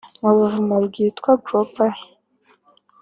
mu buvumo bwahitwa Gobra